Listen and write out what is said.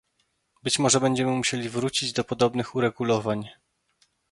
Być może będziemy musieli wrócić do podobnych uregulowań